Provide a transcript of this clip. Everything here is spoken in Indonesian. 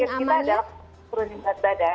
karena target kita adalah penurunan berat badan